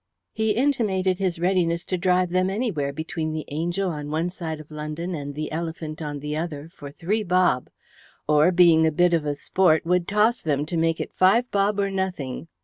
He intimated his readiness to drive them anywhere between the Angel on one side of London and the Elephant on the other for three bob, or, being a bit of a sport, would toss them to make it five bob or nothing.